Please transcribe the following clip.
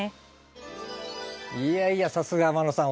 いやいやさすが天野さん